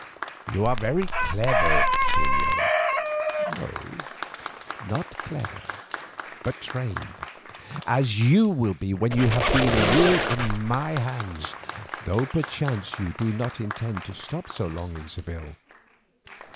"You are very clever, señor." "No, not clever, but trained, as you will be when you have been a year in my hands, though perchance you do not intend to stop so long in Seville.